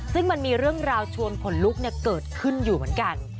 ซึ่งมันมีเรื่องราวชวนขนลุกเกิดขึ้นอยู่เหมือนกัน